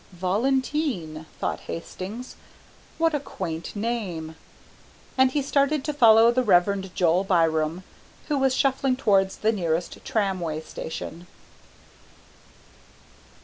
"Valentine," thought Hastings, "what a quaint name;" and he started to follow the Reverend Joel Byram, who was shuffling towards the nearest tramway station.